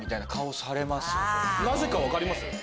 なぜか分かります？